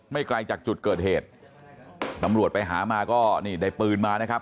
ไกลจากจุดเกิดเหตุตำรวจไปหามาก็นี่ได้ปืนมานะครับ